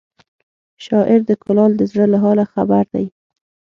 شاعر د کلال د زړه له حاله خبر دی